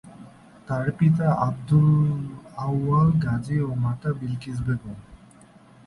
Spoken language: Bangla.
তার পিতা আবদুল আউয়াল গাজী এবং মাতা বিলকিস বেগম।